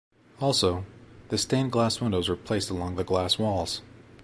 Also, the stained glass windows were placed along the glass walls.